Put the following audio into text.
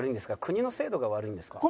国の制度が悪いんですか？」。